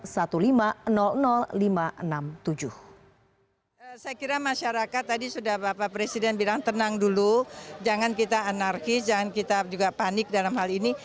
saya kira masyarakat tadi sudah bapak presiden bilang tenang dulu jangan kita anarkis jangan kita juga panik dalam hal ini